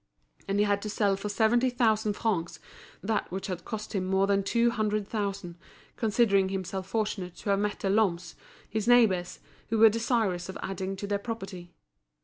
And he had to sell for seventy thousand francs that which had cost him more than two hundred thousand, considering himself fortunate to have met the Lhommes, his neighbours, who were desirous of adding to their property.